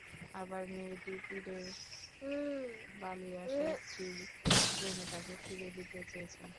আবার মেয়েটি পীরের পালিয়ে আসা স্ত্রী জেনে তাকে ফিরিয়ে দিতে চেয়েছেন।